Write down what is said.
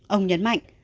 ông nhấn mạnh